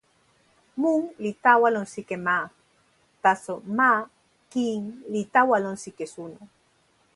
mun li tawa lon sike ma, taso ma kin li tawa lon sike suno.